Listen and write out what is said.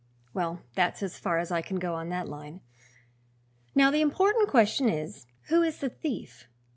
Well, that's as far as I can go on that line. Now, the important question is, who is the thief?